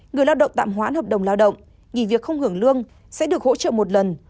người lao động tạm hoãn hợp đồng lao động nghỉ việc không hưởng lương sẽ được hỗ trợ một lần